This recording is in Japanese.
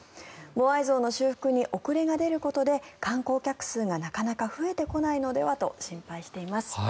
モアイ像の修復に遅れが出ることで観光客数がなかなか増えてこないのではと心配しています。